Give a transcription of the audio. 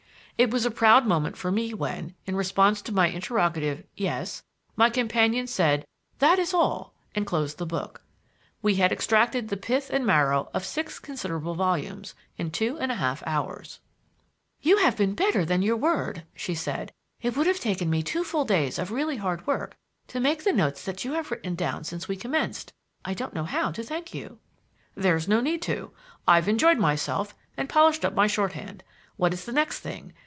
It was a proud moment for me when, in response to my interrogative "Yes?" my companion said "That is all" and closed the book. We had extracted the pith and marrow of six considerable volumes in two and a half hours. "You have been better than your word," she said. "It would have taken me two full days of really hard work to make the notes that you have written down since we commenced. I don't know how to thank you." "There's no need to. I've enjoyed myself and polished up my shorthand. What is the next thing?